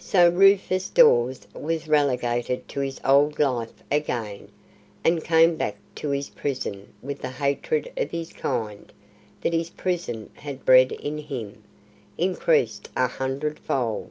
So Rufus Dawes was relegated to his old life again, and came back to his prison with the hatred of his kind, that his prison had bred in him, increased a hundred fold.